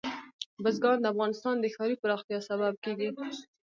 بزګان د افغانستان د ښاري پراختیا سبب کېږي.